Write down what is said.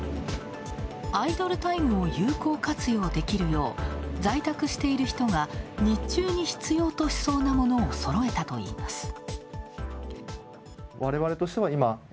アイドルタイムを有効活用できるよう在宅している人が日中に必要としそうなものをそろえたといいます。